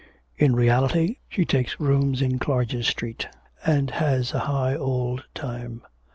In reality, she takes rooms in Clarges Street, and has a high old time.'